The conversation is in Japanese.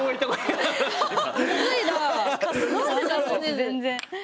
全然。